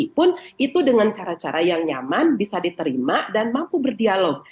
pun itu dengan cara cara yang nyaman bisa diterima dan mampu berdialog